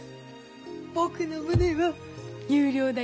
「僕の胸は有料だよ」